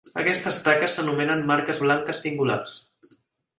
Aquestes taques s'anomenen marques blanques singulars.